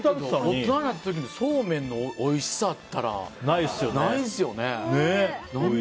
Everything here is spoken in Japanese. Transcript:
大人になった時のそうめんのおいしさったら、ないですよね。